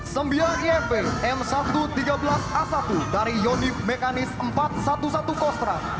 sembilan ifp m satu ratus tiga belas a satu dari yonif mekanis empat ratus sebelas kostra